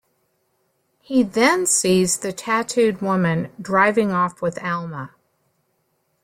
He then sees the tattooed woman driving off with Alma.